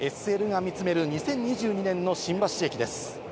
ＳＬが見つめる２０２２年の新橋駅です。